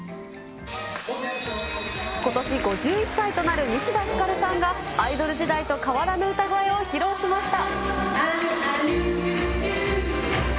ことし５１歳となる西田ひかるさんがアイドル時代と変わらぬ歌声を披露しました。